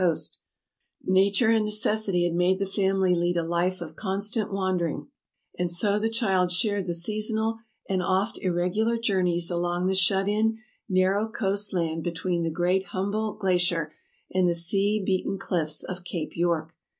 * See map on page 95. 372 True Tales of Arctic Heroism Nature and necessity had made the family lead a life of constant wandering, and so the child shared the seasonal and oft irregular journeys along the shut in, narrow coast land between the great Hum boldt Glacier and the sea beaten cliffs of Cape York.